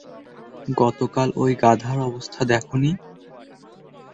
গতকাল ওই গাধার অবস্থা দেখোনি?